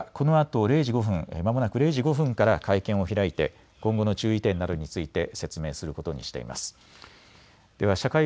気象庁はこのあと０時５分、まもなく０時５分から会見を開いて今後の注意点などについて説明することにしています。